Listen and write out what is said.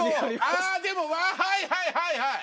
あでもはいはいはいはい！